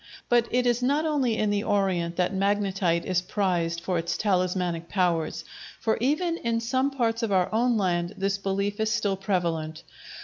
But it is not only in the Orient that magnetite is prized for its talismanic powers, for even in some parts of our own land this belief is still prevalent.